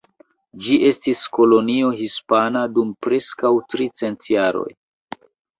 Ĝi estis kolonio hispana dum preskaŭ tricent jaroj.